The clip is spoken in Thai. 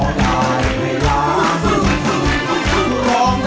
ได้ครับ